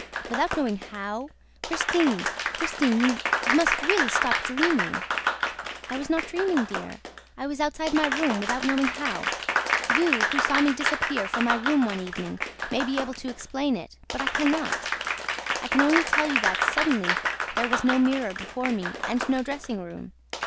Without knowing how? Christine, Christine, you must really stop dreaming!" "I was not dreaming, dear, I was outside my room without knowing how. You, who saw me disappear from my room one evening, may be able to explain it; but I can not. I can only tell you that, suddenly, there was no mirror before me and no dressing room.